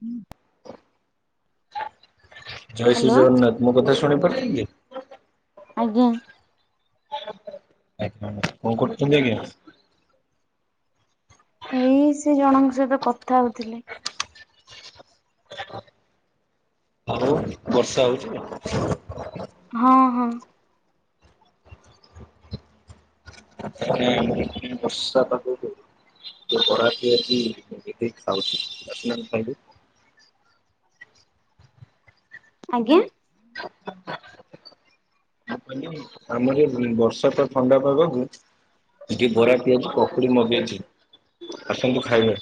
ହୁଁ। ଜୟ ଶ୍ରୀ ଜଗନ୍ନାଥ ମୋ କଥା ଶୁଣିପାରୁଚନ୍ତି? ଆଜ୍ଞା। ଆଜ୍ଞା କଣ କରୁଚନ୍ତି ଆଜ୍ଞା। ଏଇ ସେ ଜଣଙ୍କ ସହିତ କଥା ହଉଥିଲି। ଆଉ ବର୍ଷା ହଉଚି? ହଁ ହଁ। ଆଛା ମାନେ ପୁରା ବର୍ଷା ପାଗକୁ ବରା ପିଆଜି ଟିକେ ଖାଉଚି। ଆସୁନାହାନ୍ତି ଖାଇବେ। ଆଜ୍ଞା? ମୁଁ କହିଲି ଆମର ଏ ବର୍ଷା ଟା ଥଣ୍ଡା ପାଗକୁ। ଟିକିଏ ବରା ପିଆଛି ପକୁଡି ମଗେଇଛି ଆସନ୍ତୁ ଖାଇବେ।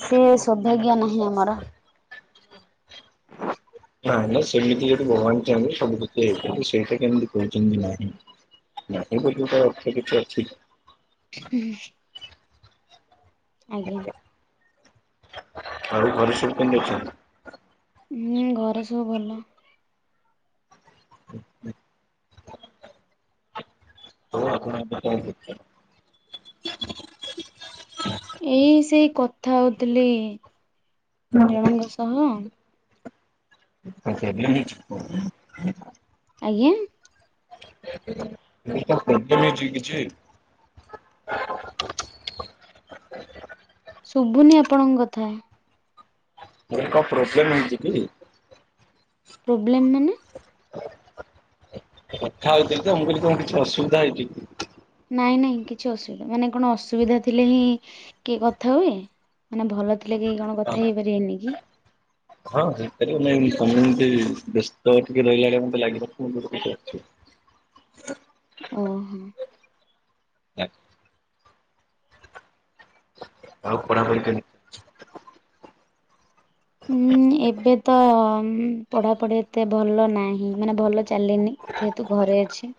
ସେ ସୋଭାଗ୍ୟ ନାହିଁ ଆମର। ନାଇ ନାଇ ସେମିତି ଯଦି ଭଗବାନ ଚାହିଁବେ ସବୁକିଛି ହେଇ ପା ସେଇଟା କେମିତି କହୁଛନ୍ତି ନାହିଁ ନାଟ ଗୁଟୁଙ୍କ ଅର୍ଥ କିଛି ଅଛି କି? ହୁଁ। ଆଜ୍ଞା। ଆଉ ଘରେ ସବୁ ପଲ ଅଛନ୍ତି। ଉଁ ଘରେ ସବୁ ଭଲ। ଆଉ ଆପଣ ଏବେ କଣ କରୁଚନ୍ତି? ଏଇ ସେଇ କଥା ହଉଥିଲି ଜଣଙ୍କ ସହ। କଣ ପ୍ରୋବ୍ଲେମ ହେଇଛି କଣ? ଆଜ୍ଞା। [unintelligible] କଣ ହେଇଚିକି କିଛି? ଶୁଭୁନି ଆପଣଙ୍କ କଥା। ମୁଁ କହିଲି କଣ ପ୍ରୋବ୍ଲେମ୍ ହେଇଚି କି? ପ୍ରୋବ୍ଲେମ୍ ମାନେ। କଥା ହେଉଥିଲି ତ ମୁଁ କହିଲି କଣ କିଛି ଅସୁବିଧା ହେଇଚି। ନାଇଁ ନାଇଁ କିଛି ଅସୁବିଧା ମାନେ କଣ ଅସୁବିଧା ଥିଲେ ହିଁ କିଏ କଥା ହୁଏ? ମାନେ ଭଲ ଥିଲେ କେହି କଣ କଥା ହେଇପାରିବେନି କି? ହଁ ହେଇପାରିବେ ନାଇଁ କାମୁନୁଟି ବ୍ୟସ୍ତ ଟିକେ ରହିଲା ଭଳିଆ ମତେ ଲାଗିିଲା [unintelligible] ଉଁ ହୁଁ। ଆଉ ପଢାପଢ଼ି କେ ଉଁ ଏବେ ତ ପଢାପଢି ଏତେ ଭଲ ନାହିଁ ମାନେ ଭଲ ଚାଲିନି। ଯେହେତୁ ଘରେ ଅଛି।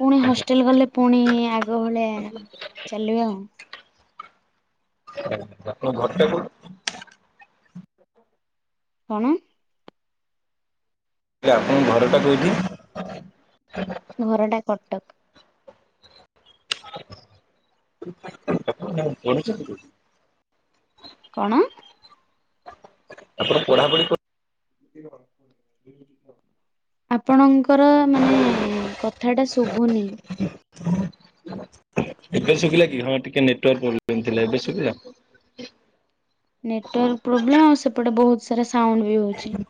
ପୁଣି କେମିତି ହଷ୍ଟେଲ ଗଲେ ପୁଣି ଆଗ ଭଳିଆ ଚାଲିବ ଆଉ। [inaudible] ତମ ଘରଟା କଣ? ତମ ଘରଟା କୋଉଠି? ମୋ ଘରଟା କଟକ। ତମେ ପଢିଚନ୍ତି କଉଠି। କଣ? ଆପଣ ପଢ଼ା ପଢି [unintelligible] ଆପଣଙ୍କର ମାନେ କଥା ଟା ଶୁଭୁନି। ଏବେ ଶୁଭିଲା କି ହଁ ଟିକେ ନେଟୱାର୍କ ପ୍ରୋବ୍ଲେମ୍ ଥିଲା ଏବେ ଶୁିଭିଲା। ନେଟୱାର୍କ ପ୍ରୋବ୍ଲେମ ଆଉ ସେପଟେ ବହୁତ ସାରା ସାଉଣ୍ଡ ବି ହଉଛି।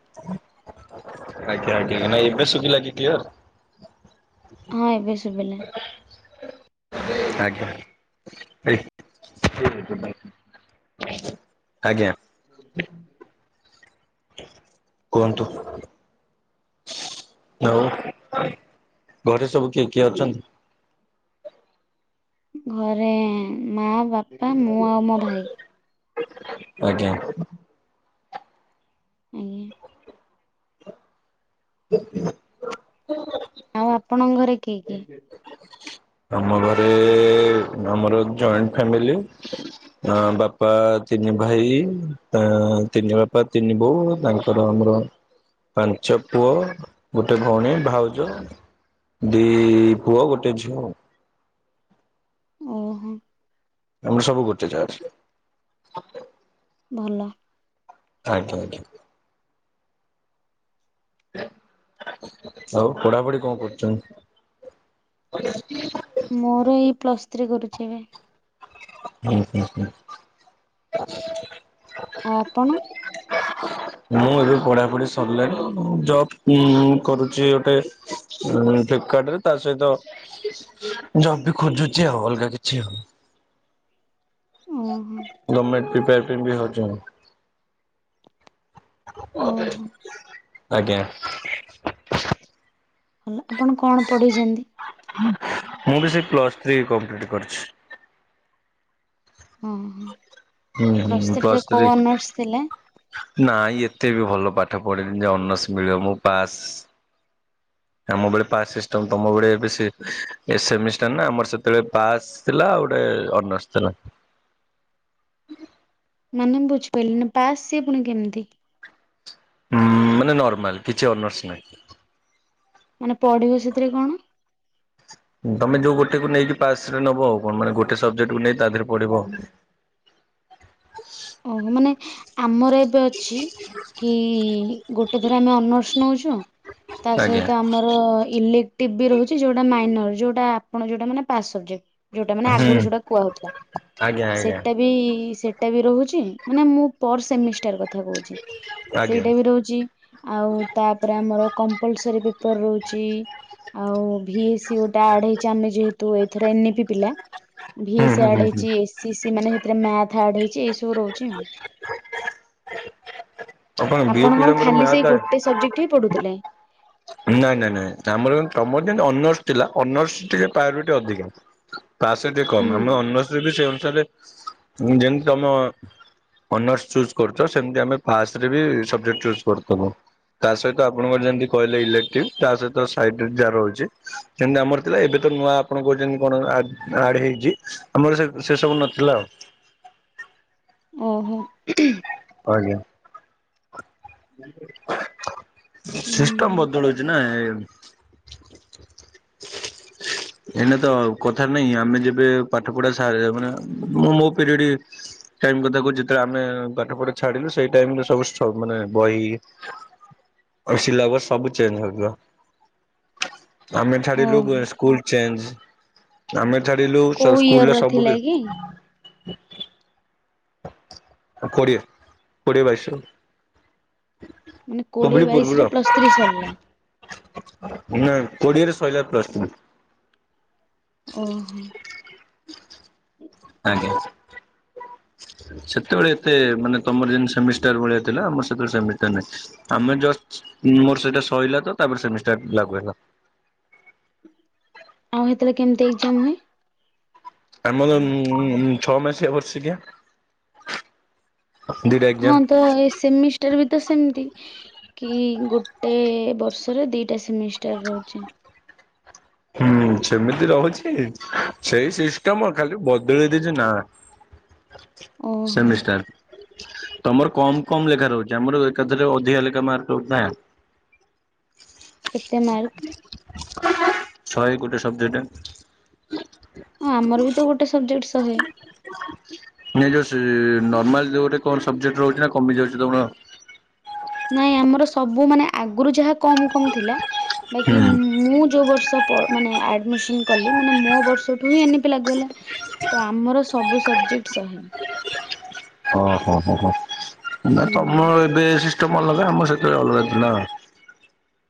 ଆଜ୍ଞା ଆଜ୍ଞା ନାଇ ଏବେ ଶୁଭିଲା କି କ୍ଲିଅର। ହଁ ଏବେ ଶୁଭିଲା। ଆଜ୍ଞା। ଆଜ୍ଞା। [inaudible] କୁହନ୍ତୁ? ଆଉ ଘରେ ସବୁ କିଏ କିଏ ଅଛନ୍ତି? ଘରେ ମା, ବାପା, ମୁଁ ଆଉ ମୋ ଭାଇ। ଆଜ୍ଞା। ଆଜ୍ଞା। [unintelligible] ଆଉ ଆପଣଙ୍କ ଘରେ କିଏ କିଏ? ଆମ ଘରେ ଆମର ଜଏଣ୍ଟ ଫ୍ୟାମିଲି। ଅ ବାପା ତିନି ଭାଇ, ତିନି ବାପା, ତିନି ବୋଉ ତାଙ୍କ ତାଙ୍କର ଆମର ପାଞ୍ଚ ପୁଅ, ଗୋଟେ ଭଉଣୀ, ଭାଉଜ। ଦି ପୁଅ, ଗୋଟେ ଝିଅ। ଓହୋ। ତମେ ସବୁ ଗୋଟେ ଚାଂଶର। ଭଲ। ଆଜ୍ଞା ଆଜ୍ଞା। ଆଉ ପଢ଼ାପଢ଼ି କଣ କରୁଛନ୍ତି? [unintelligible] ମୋର ଏଇ ପ୍ଲସ୍ ଥ୍ରୀ କରୁଛି ଏବେ। ଉଁ ଉଁ ଉଁ। ଆଉ ଆପଣ? ମୁଁ ଏବେ ପଢ଼ାପଢ଼ି ସଲାଣି ଜବ ଉଁ କରୁଛି ଗୋଟେ। ହଁ ଫ୍ଲିପକାର୍ଟ ରେ ତା ସହିତ ଜବ୍ ବି ଖୋଜୁଛି ଆଉ ଅଲଗା କିଛି ଆଉ। ଓହୋ ଗମେଣ୍ଟ ପ୍ରିପିୟାର ବି ହଉଛି ଆଉ। ଓ ଓହୋ ଆଜ୍ଞା। ଆପଣ କଣ ପଢେଇଛନ୍ତି? ମୁଁ ବି ସେ ପ୍ଲସ୍ ଥ୍ରୀ କମ୍ପ୍ଲିଟ କରିଛି। ଓହୋ ହୁଁ ପ୍ଲସ୍ ହୁଁ ଥ୍ରୀରେ ଥ୍ରୀ କୋଉ ଅନର୍ସ ଥିଲେ? ନାଇଁ ଏତେ ବି ଭଲ ପାଠ ପଢିନି ଯେ ଅନର୍ସ ମିଳିବ। ମୁଁ ପାସ୍ ଆମ ବେଳେ ପାସ୍ ସିଷ୍ଟମ। ତମ ବେଳେ ଏବେ ସେ ସେମିଷ୍ଟାର ନା ଆମର ସେତେବେଳେ ପାସ୍। ଥିଲା ଗୋଟେ ଅନର୍ସ ଥିଲା। ମାନେ ମୁଁ ବୁଝିପାରିଲିନି ପାସ ସିଏ ପୁଣି କେମିତି? ହଁ ମାନେ ନର୍ମାଲ କିଛି ଅନର୍ସ ନାହିଁ। ମାନେ ପଢ଼ିବ ସେଥିରେ କଣ? ତମେ ଯୋଉ ଗୋଟେକୁ ନେଇକି ପାସ୍ ରେ ନବ। ଆଉ କଣ ମାନେ ଗୋଟେ ସବଜେକ୍ଟକୁ ନେଇ ତା ଦେହରେ ପଢିବ। ଓହୋ ମାନେ ଆମର ଏବେ ଅଛି। କି ଗୋଟେ ଧର ଆମେ ଅନର୍ସ ନଉଛୁ। ତା ଆଜ୍ଞା ସହିତ ଆମର ଇଲିପ୍ ଟିଭ ରହୁଛି। ଯେଉଁଟା ମାଇନର୍ ଯେଉଁଟା ଆପଣ ଯେଉଁଟା ମାନେ ପାସ୍ ସବଜେକ୍ଟ। ଯୋଉଟା ମାନେ ହୁଁ ଆଗରୁ ଯୋଉଟା କୁହା ହଉଥିଲା। ଆଜ୍ଞା ଆଜ୍ଞା ସେଇଟା ବି ସେଇଟା ବି ରହୁଛି। ମାନେ ମୁଁ ପର ସେମିଷ୍ଟର କଥା କହୁଛି। ଆଜ୍ଞା। ସେଇଟା ବି ରହୁଛି। ଆଉ ତାପରେ ଆମର କମ୍ପଲସରୀ ପେପର ରହୁଛି। ଆଉ ଭି ଏ ସି ଗୋଟେ ଆଡ ହେଇଛି। ଆମେ ଯେହେତୁ ଏଥର ଏନି ଇ ପି ପିଲା ଭି ହୁଁ ଏସ ସି ହୁଁ ହୁଁ ଆଡ଼ ହୁଁ ହେଇଚି। ଏ ସି ସି ମାନେ ହେଥିରେ ମ୍ୟାଥ ଆଡ଼ ହେଇଚି ଏଇ ସବୁ ସବୁ ରହୁଛି। ଆଉ କଣ ବିଏ ଆପଣ କଣ ପିଲାଙ୍କର ଖାଲି ମ୍ୟାଥ ସେଇ ଆଡେ ଗୋଟେ ସବଜେକ୍ଟ ଉଠିକି ପଢୁଥିଲେ? ନାଇଁ ନାଇଁ ନାଇଁ ଆମର ତମର ଯେମିନ୍ତି ଅନର୍ସ ଥିଲା ଅନର୍ସ ଟିକେ ପ୍ରାୟରିଟି ଟିକେ ଅଧିକା ତା ସହିତ ଦେଖ ହୁଁ ଆମେ ଅନର୍ସରେ ବି ସେଇ ଅନୁସାରେ ଯେମିତି ତମ ଅନର୍ସ ଚୁଜ୍ କରୁଛ ସେମିତି ଆମେ ପାସରେ ବି ସବଜେକ୍ଟ ଚୁଜ୍ କରୁୁଥିଲୁ। ତା ସହିତ ଆପଣଙ୍କର ଯେମିତି କହିଲେ ଇଲେକ୍ଟିବ ତା ସହିତ ସାଇଟ ଯାହା ରହୁଛି ଯେମତି ଆମର ଥିଲା ଏବେ ତ ନୂଆ ଆପଣ କହୁଛନ୍ତି କଣ ଆଡ ହେଇଛି ଆମର ସେ ସେ ସବୁ ନଥିଲା ଆଉ ଓହୋ ଆଜ୍ଞା ବୁଝିପାରିଲ ସିଷ୍ଟମ ବଦଳୁଛି ନା ଏଇନା ତ କଥାରେ ନାହିଁ ଆମେ ଯେବେ ପାଠ ପଢା ସା ମାନେ ମୁଁ ମୋ ପିରିୟଡ ଟାଇମ କଥା କହୁଛି ଯେତେବେଳେ ଆମେ ପାଠପଢା ଛାଡିଲୁ ସେଇ ଟାଇମରେ ସବୁ ସବୁ ମାନେ ବହି ଆଉ ସିଲାବସ ସବୁ ଚେଞ୍ଜ ହେବ ଆମେ ଛାଡିଲୁ ଓହୋ। ସ୍କୁଲ ଚେଞ୍ଜ ଆମେ ଛାଡିଲୁ କୋଉ ଇୟର ସ୍କୁଲ ର ସବୁ ଥିଲା କି କୋଡ଼ିଏ କୋଡ଼ିଏ ବାଇସରୁ ମାନେ କୋଡିଏ ପୂର୍ବରୁ ବାଇଶରେ ପ୍ଲସ ଥ୍ରୀ ସରିଲା ନା କୋଡିଏରେ ସରିଲା ପ୍ଲସ ଥ୍ରୀ ଓହୋ ଆଜ୍ଞା ସେତେବେଳେ ଏତେ ମାନେ ତମର ଯେମିତି ସେମିଷ୍ଟାର ଭଳିଆ ଥିଲା ଆମର ସେତେବେଳେ ସେମିଷ୍ଟାର ନାହିଁ ଆମେ ଜଷ୍ଟ ମୋର ସେଇଟା ସରିଲା ତ ତାପରେ ସେମିଷ୍ଟାର ଲାଗୁ ହେଲା ଆଉ ସେତେବେଳେ କେମିତି ଏକ୍ଜାମ ହୁଏ? ଆମର ଉ ଛଅ ମାସିଆ ବର୍ଷିକିଆ ଦିଟା ଏକ୍ଜାମ। ହଁ ତ ଏ ସେମିଷ୍ଟାର ବି ତ ସେମିତି କି ଗୋଟେ ବର୍ଷରେ ଦି ଟା ସେମିଷ୍ଟର ରହୁଛି ହୁଁ ସେମିତି ରହୁଛି ସେଇ ସିଷ୍ଟମ ଖାଲି ବଦଳେଇ ଦେଇଛି ନା [inaudible] ଓହୋ ସେମିଷ୍ଟାର ତମର କମ କମ ଲେଖା ରହୁଛି ଆମର ଏକାଥରେ ଅଧିକା ଲେଖା ମାର୍କ ରହୁଥିଲା କେତେ ମାର୍କ? ଶହେ ଗୋଟେ ସବଜେକ୍ଟ ହଁ ଆମର ବି ତ ଗୋଟେ ସବଜେକ୍ଟ ଶହେ ଯୋଉସେ ନର୍ମାଲରେ ଯୋଉ ଗୋଟେ କଣ ସବଜେକ୍ଟ ରହୁଛି ନା କମି ଯାଉଛି ତମର। ନାଇଁ ଆମର ସବୁ ମାନେ ଆଗରୁ ଯାହା କମ କମ ଥିଲା ବାକି ହୁଁ ମୁଁ ଯୋଉ ବର୍ଷ। ମାନେ ଆଡମିସନ କଲି ମାନେ ମୋ ବର୍ଷଠୁ ହିଁ ଏନତି ଲାଗୁ ହ। ତ ଆମର ସବୁ ସବଜେକ୍ଟ ସହେ। ହ ହ ହ ନା ତମର ଏବେ ସିଷ୍ଟମ ଅଲଗା ଆମର ସେଥିରେ ଅଲଗାଥିଲା।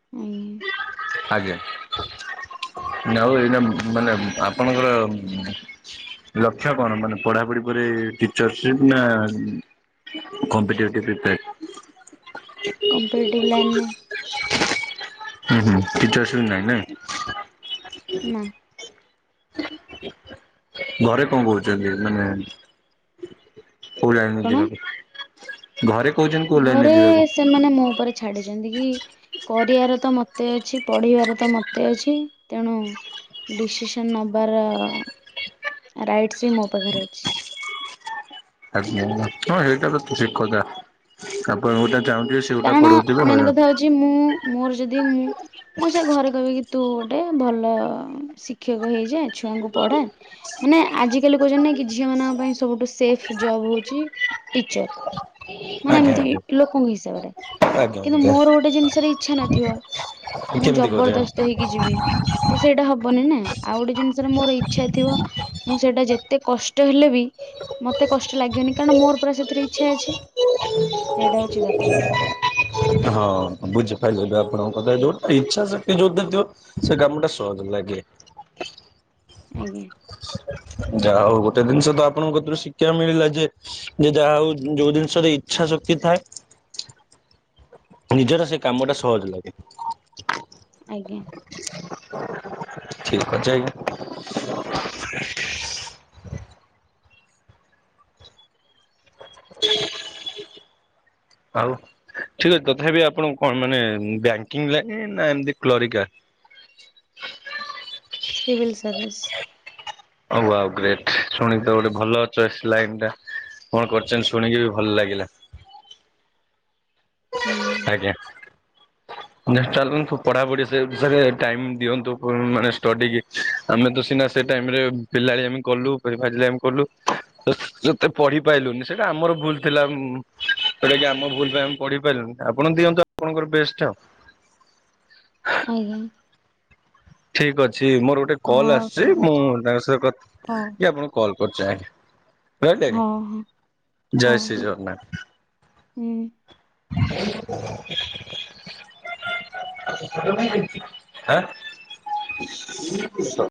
[inaudible] ଆଜ୍ଞା [inaudible] ମାନେ ଆପଣଙ୍କର। ଲକ୍ଷ୍ୟ କଣ ମାନେ ପଢାପଢି ପରେ ଟିଚର୍ ସିପ ନା କମ୍ପିଟେଟିଭ୍ ପ୍ରିପେ। କମ୍ପିଟେଟିଭ ଲାଇନେ। ହୁଁ ହୁଁ କିଛି ଆସ ନାଇଁ ନାଇଁ। [inaudible] ଘରେ କଣ କହୁଛନ୍ତି ମାନେ କୋ ଲାଇନ ରେ କଣ? ଯିବାକୁ ଘରେ କହୁଛନ୍ତି। କୋଉ ଲାଇନରେ ଘରେ ଯିବାକୁ ସେମାନେ ମୋ ଉପରେ ଛାଡିଚନ୍ତି କି? କରିବାର ତ ମତେ ଅଛି ପଢ଼ିବାର ତ ମତେ ଅଛି। ତେଣୁ ଡିସିସନ୍ ନବାର ରାଇଟ୍ ବି ମୋ ପାଖରେ ଅଛି। ଆଜ୍ଞା ହଁ ହେଇଟା ତ ଠିକ୍ କଥା ଆପଣ କୋଉଟା ଚାହୁଁଥିବେ। ସେଉଟା କାରଣ ପଢଉଥିବେ ମେନ୍ ହଇରାଣ କଥା ହଉଚି ମୁଁ ମୋର ଯଦି ମୁଁ ମୁଁ ସେ ଘରେ କହିବି କିି ତୁ ଗୋଟେ ଭଲ ଶିକ୍ଷକ ହେଇଯାଆ। ଛୁଆଙ୍କୁ ପଢ଼ା। ମାନେ ଆଜିକାଲି କହୁଚନ୍ତି ନାଇଁ କି ଝିଅ ମାନଙ୍କ ପାଇଁ ସବୁଠୁ ସେଫ୍ ଜବ୍ ହଉଚି ଟିଚର ମାନେ ଆଜ୍ଞା ଏମିତି ଆଜ୍ଞା ଲୋକଙ୍କ ହିସାବରେ। ଆଜ୍ଞା କିନ୍ତୁ ଆଜ୍ଞା ମୋର ଗୋଟେ ଜିନିଷରେ ଇଚ୍ଛା ନଥିବ। ମୁଁ କେମିତି କରିବା ଜବରଦସ୍ତ ହେଇକି ଯିବି। ତ ସେଇଟା ହବନି ନାଁ ଆଉ ଗୋଟେ ଜିନିଷରେ ମୋର ଇଚ୍ଛା ଥିବ। ମୁଁ ସେଇଟା ଯେତେ କଷ୍ଟ ହେଲେ ବି ମତେ କଷ୍ଟ ଲାଗିବନି କାରଣ ମୋର ପରା ସେଥିରେ ଇଚ୍ଛା ଅଛି। ସେଇଟା ହଉଛି କଥା। ହଁ ବୁଝିପାରିବେ ଏବେ ଆପଣଙ୍କ କଥା ଯୋଉଠି ଇଚ୍ଛା‌‌ ଶ ସେ ଯୋଉଟାରେ ଯିବ। ସେ କାମଟା ସହଜ ଲାଗେ। ଆଜ୍ଞା। ଯାହା ହଉ ଗୋଟେ ଜିନିଷ ତ ଆପଣଙ୍କ କତୁରୁ ଶିକ୍ଷିବାକୁ ମିଳିଲା ଯେ ଯେ ଯାହା ହଉ ଯୋଉ ଜିନିଷରେ ଇଚ୍ଛା ଶକ୍ତି ଥାଏ। ନିଜର ସେ କାମଟା ସହଜ ଲାଗେ। ଆଜ୍ଞା ଠିକ୍ ଅଛି ଆଜ୍ଞା। [inaudible] ଆଉ ଠିକ୍ ଅଛି ତଥାପି ଆପଣଙ୍କୁ କଣ ମାନେ ବ୍ୟାଙ୍କିଙ୍ଗ ଲାଇନ ନାଁ ଏମିତି କ୍ଲରିକା। Civil service. ହଉ ଆଉ ଗ୍ରେଟ୍ ଶୁଣି ତ ଗୋଟେ ଭଲ ଚଏସ୍ ଲାଇନ୍ ଟା। କଣ କରୁଚନ୍ତି ଶୁଣିକି ବି ଭଲ ଲାଗିଲା। ହୁଁ ଆଜ୍ଞା ଜେଷ୍ଟାଲ୍ ଦିନଠୁ ପଢ଼ାପଢ଼ି ସେ ବିଷୟରେ ଟାଇମ୍ ଦିଅନ୍ତୁ ଉଁ ମାନେ ଷ୍ଟଡି କି। ଆମେ ତ ସିନା ସେ ଟାଇମରେ ପିଲାଳିଆମି କଲୁ ଫାଜଲାମି କଲୁ। ସେତେ ପଢ଼ି ପାରଲୁନି ସେଟା ଆମର ଭୁଲ ଥିଲା। ଉଁ ଯୋଉଠା କି ଆମ ଭୁଲ ପାଇଁ ଆମେ ପଢିପାରିଲୁନି। ଆପଣ ଦିଅନ୍ତୁ ଆପଣଙ୍କର ବେଷ୍ଟ୍ ଆଉ। ଆଜ୍ଞା। ଠିକ୍ ଅଛି ମୋର ଗୋଟେ କଲ୍ ହଉ ଆସୁଚି। ଠିକ ମୁଁ ଅଛି ତାଙ୍କ ସହିତ କଥା ହଉ କି ଆପଣଙ୍କୁ କଲ୍ କରୁଚି ଆଜ୍ଞା। ରହିଲି ହଉ ହଉ ଆଜ୍ଞା। ଜୟ ଶ୍ରୀ ହଉ ଜଗନ୍ନାଥ। ହୁଁ। [inaudible] [unintelligible] ଆଁ [unintelligible]